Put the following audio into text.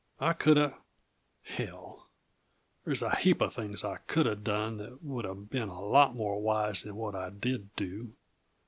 I coulda hell, there's a heap uh things I coulda done that would uh been a lot more wise than what I did do!